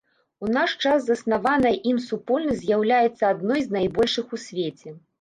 У наш час заснаваная ім супольнасць з'яўляецца адной з найбольшых у свеце.